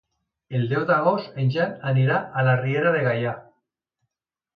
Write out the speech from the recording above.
El deu d'agost en Jan anirà a la Riera de Gaià.